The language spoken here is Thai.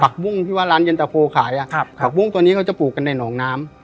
บุ้งที่ว่าร้านเย็นตะโพขายอ่ะครับผักบุ้งตัวนี้เขาจะปลูกกันในหนองน้ำ